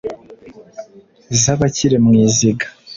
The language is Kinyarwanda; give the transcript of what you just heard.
z’abakiri mu iziga